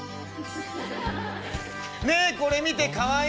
「ねえこれ見てかわいい！